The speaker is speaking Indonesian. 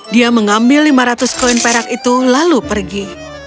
dia mengambil lima ratus koin perak itu lalu pergi